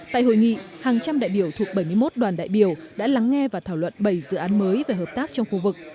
tại hội nghị hàng trăm đại biểu thuộc bảy mươi một đoàn đại biểu đã lắng nghe và thảo luận bảy dự án mới về hợp tác trong khu vực